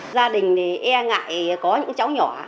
gia đình thì e ngại có những cháu nhỏ